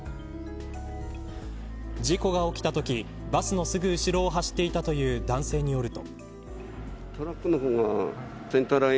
事故が起きたときバスのすぐ後ろを走っていたという男性によると。